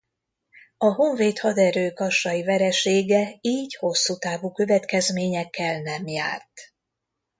A honvéd haderő kassai veresége így hosszútávú következményekkel nem járt.